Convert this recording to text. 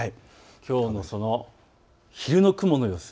きょうの昼の雲の様子。